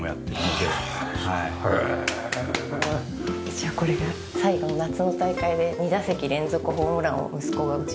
一応これが最後の夏の大会で２打席連続ホームランを息子が打ちまして。